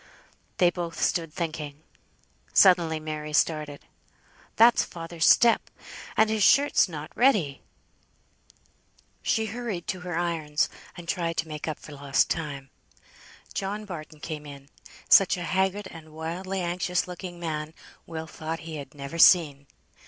They both stood thinking. Suddenly Mary started. "That's father's step. And his shirt's not ready!" She hurried to her irons, and tried to make up for lost time. John Barton came in. Such a haggard and wildly anxious looking man, Will thought he had never seen.